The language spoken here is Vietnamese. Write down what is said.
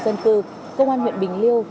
dân cư công an huyện bình liêu